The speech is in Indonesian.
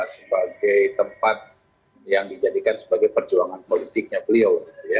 sebagai tempat yang dijadikan sebagai perjuangan politiknya beliau